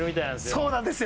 そうなんですよ